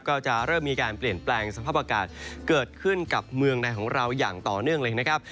ก็จะเริ่มมีการเปลี่ยนแปลงสภาพอากาศเกิดขึ้นกับเมืองในของเราอย่างต่อเนื่องเลยนะครับ